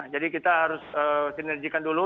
jadi kita harus sinerjikan dulu